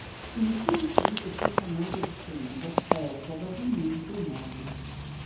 Il toolkit più famoso di sempre è probabilmente Motif.